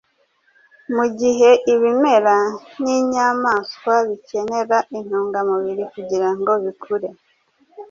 Mugihe ibimera ninyamaswa bikenera intungamubiri kugirango bikure,